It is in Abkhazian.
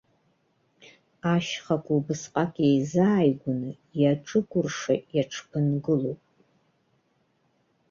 Ашьхақәа убасҟак еизааигәаны, иаҿыкәырша иаҽԥынгылоуп.